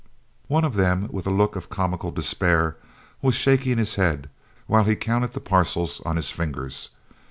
One of them, with a look of comical despair, was shaking his head, while he counted the parcels on his fingers.